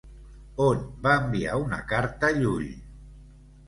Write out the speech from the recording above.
On va enviar una carta Llull?